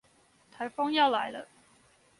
颱風要來了